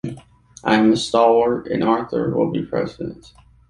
I am a Stalwart and Arthur will be President.